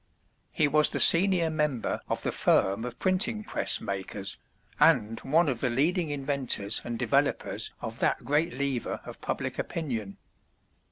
He was the senior member of the firm of printing press makers, and one of the leading inventors and developers of that great lever of public opinion.